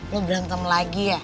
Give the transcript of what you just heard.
lo berantem lagi ya